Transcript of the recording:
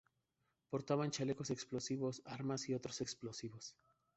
Portaban chalecos explosivos, armas y otros explosivos.